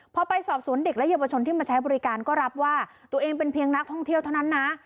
พอไปสอบสวนเด็กและเยาวชนที่มาใช้บริการก็รับว่าตัวเองเป็นเพียงนักท่องเที่ยวเท่านั้นนะ